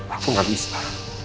aku gak bisa